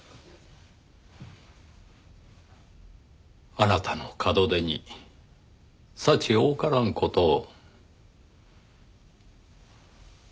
あなたの門出に幸多からん事を。